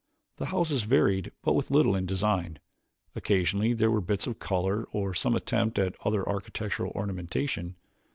The houses varied but little in design. Occasionally there were bits of color, or some attempt at other architectural ornamentation.